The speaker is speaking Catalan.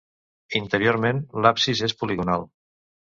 Interiorment l'absis és poligonal.